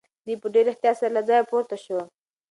دی په ډېر احتیاط سره له ځایه پورته شو.